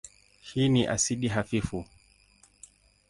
Hii ni asidi hafifu.